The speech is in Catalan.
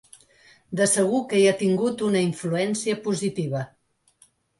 De segur que hi ha tingut una influència positiva.